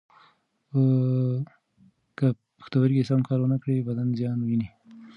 که پښتورګي سم کار و نه کړي، بدن زیان ویني.